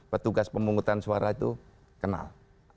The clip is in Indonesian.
petugas pemungutan suara itu kenal